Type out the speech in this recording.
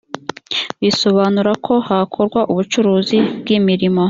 bisobanura ko hakorwa ubucuruzi bw’imirimo